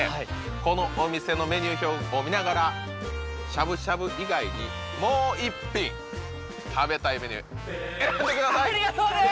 このお店のメニュー表を見ながらしゃぶしゃぶ以外にもう一品食べたいメニュー選んでくださいありがとうございます！